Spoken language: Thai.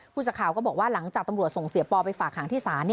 สักข่าวก็บอกว่าหลังจากตำรวจส่งเสียปอไปฝากหางที่ศาล